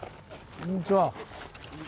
こんにちは。